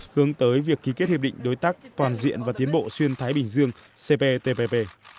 hướng tới việc ký kết hiệp định đối tác toàn diện và tiến bộ xuyên thái bình dương cptpp